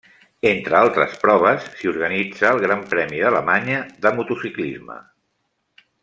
Entre altres proves s'hi organitza el Gran Premi d'Alemanya de motociclisme.